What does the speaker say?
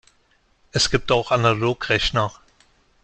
Es gibt auch Analogrechner.